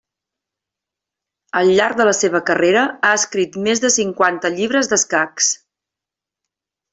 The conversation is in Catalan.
Al llarg de la seva carrera ha escrit més de cinquanta llibres d'escacs.